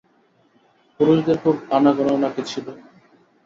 পুরুষদের খুব আনাগোনাও নাকি ছিল।